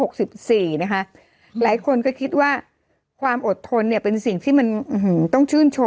คือคือแบบเอาเอาแค่พี่มันมาเป็นแค่แค่แค่ตัวนี่ใช่หรือไม่ใช่